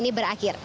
dan proses berakhir